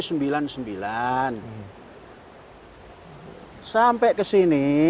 sampai ke sini